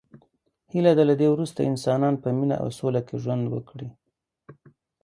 هیله ده له دی وروسته انسانان په مینه او سوله کې ژوند وکړي.